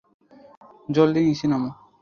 জলদি নিচে নামো।